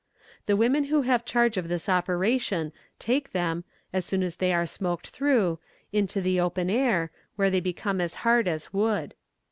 The women who have charge of this operation take them, as soon as they are smoked through, into the open air, where they become as hard as wood.